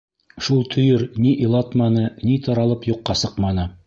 Шул төйөр ни илатманы, ни таралып юҡҡа сыҡманы.